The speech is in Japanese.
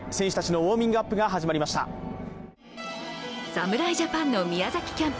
侍ジャパンの宮崎キャンプ